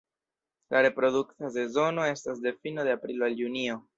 La reprodukta sezono estas de fino de aprilo al junio.